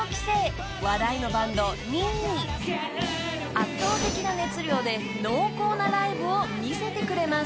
［圧倒的な熱量で濃厚なライブを見せてくれます］